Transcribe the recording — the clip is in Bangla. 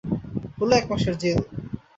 হল এক মাসের জেল।